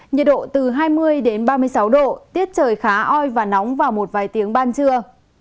nhiệt độ từ hai mươi ba mươi sáu độ tiết trời khá oi và nóng vào một vài tiếng ban trưa